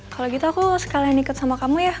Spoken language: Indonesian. kalau gitu aku sekalian ikut sama kamu ya